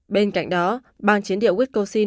bên cạnh đó bang chiến địa wisconsin